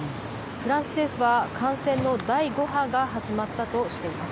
フランス政府は、感染の第５波が始まったとしています。